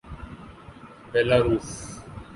Belarus